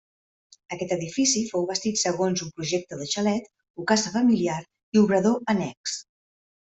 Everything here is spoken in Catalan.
Aquest edifici fou bastit segons un projecte de xalet o casa familiar i obrador annex.